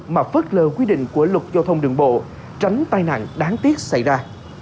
mà phớt lờ quy định của luật giao thông đường bộ tránh tai nạn đáng tiếc xảy ra